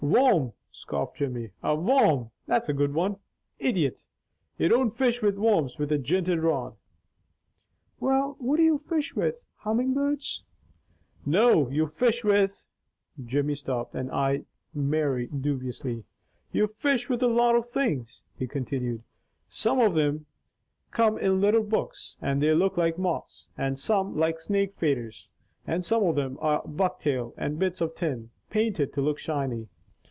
"Worm!" scoffed Jimmy. "A worm! That's a good one! Idjit! You don't fish with worms with a jinted rod." "Well what do you fish with? Humming birds?" "No. You fish with " Jimmy stopped and eyed Mary dubiously. "You fish with a lot of things," he continued. "Some of thim come in little books and they look like moths, and some like snake faders, and some of them are buck tail and bits of tin, painted to look shiny.